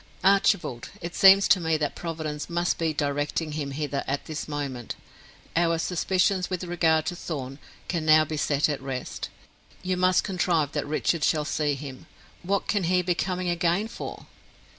"Archibald, it seems to me that Providence must be directing him hither at this moment. Our suspicions with regard to Thorn can now be set at rest. You must contrive that Richard shall see him. What can he be coming again for?"